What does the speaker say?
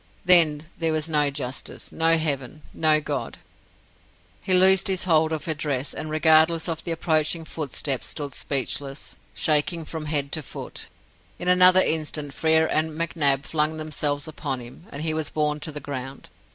Then there was no justice, no Heaven, no God! He loosed his hold of her dress, and, regardless of the approaching footsteps, stood speechless, shaking from head to foot. In another instant Frere and McNab flung themselves upon him, and he was borne to the ground.